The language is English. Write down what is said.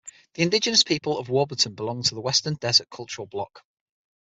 The Indigenous people of Warburton belong to the Western Desert Cultural Bloc.